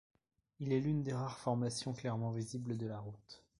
Il est l'une des rares formations clairement visibles de la route.